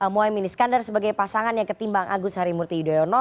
mohaimin iskandar sebagai pasangan yang ketimbang agus harimurti yudhoyono